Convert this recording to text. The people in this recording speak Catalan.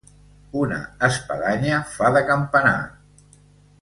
Una espadanya fa de campanar.